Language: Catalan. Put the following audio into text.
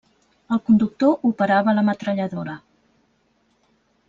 El conductor operava la metralladora.